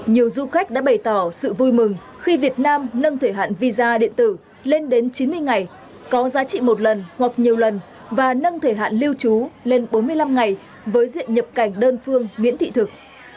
nhiều du khách đã bày tỏ sự vui mừng khi việt nam nâng thời hạn visa điện tử lên đến chín mươi ngày có giá trị một lần hoặc nhiều lần và nâng thời hạn lưu trú lên bốn mươi năm ngày với diện nhập cảnh đơn phương miễn thị thực